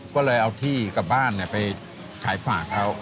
ก็เลยเอาที่กลับบ้านไปขายฝากเขา